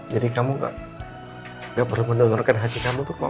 jadi kamu gak perlu mendorongkan hati kamu untuk ngobrol